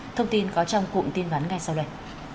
thông tin có trong cụm tin vắn ngay sau đây